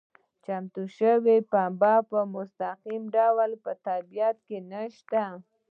چمتو شوې پنبه په مستقیم ډول په طبیعت کې نشته.